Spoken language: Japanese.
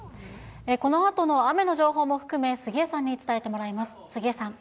このあとの雨の情報も含め、杉江さんに伝えてもらいます。